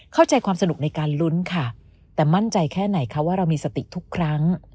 เข้าใจความสนุกในการลุ้นค่ะแต่มั่นใจแค่ไหนคะว่าเรามีสติทุกครั้ง